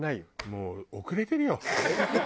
もう遅れてるよ！